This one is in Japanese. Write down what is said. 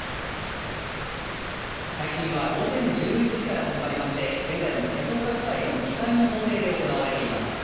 再審は午前１１時から始まりまして、現在も静岡地裁の２階の法廷で行われています。